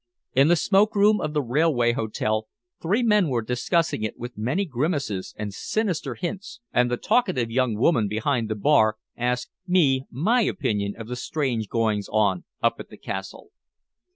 In the smoke room of the railway hotel three men were discussing it with many grimaces and sinister hints, and the talkative young woman behind the bar asked me my opinion of the strange goings on up at the Castle.